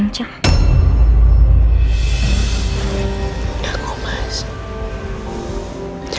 nggak ada di jakarta